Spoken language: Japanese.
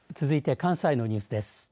続いて関西のニュースです。